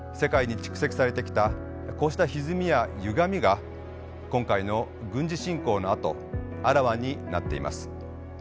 こうしたひずみやゆがみが今回の軍事侵攻のあとあらわになっています。